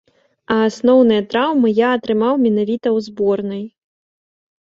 А асноўныя траўмы я атрымаў менавіта ў зборнай.